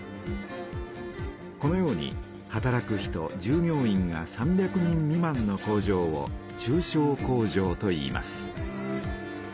このように働く人じゅう業員が３００人未満の工場を中小工場といいます。